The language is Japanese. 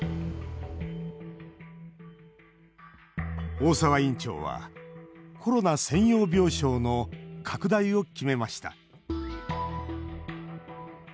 大澤院長はコロナ専用病床の拡大を決めました